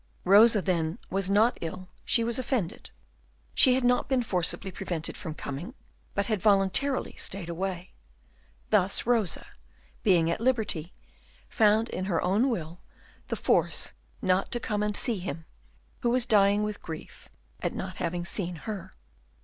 Rosa, then, was not ill, she was offended; she had not been forcibly prevented from coming, but had voluntarily stayed away. Thus Rosa, being at liberty, found in her own will the force not to come and see him, who was dying with grief at not having seen her.